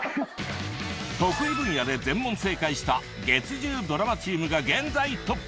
得意分野で全問正解した月１０ドラマチームが現在トップ。